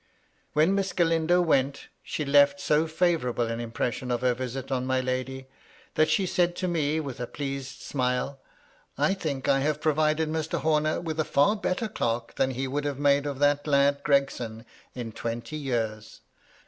When Miss Galindo went, she left so favourable an impression of her visit on my lady, that she said to me with a pleased smile :" I think I have provided Mr. Homer with a far better clerk than he would have made of that lad MY LADY LUDLOW. 219 Gregson in twenty years.